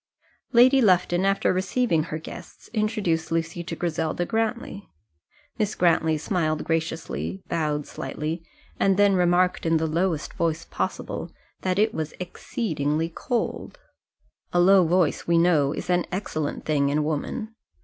Lady Lufton after receiving her guests introduced Lucy to Griselda Grantly. Miss Grantly smiled graciously, bowed slightly, and then remarked in the lowest voice possible that it was exceedingly cold. A low voice, we know, is an excellent thing in woman.